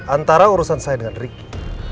antara urusan saya dengan ricky